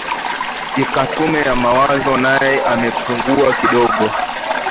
ika tume ya mawazo nae amepungua kidogo